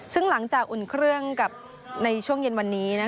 ซึ่งหลังจากอุ่นเครื่องกับในช่วงเย็นวันนี้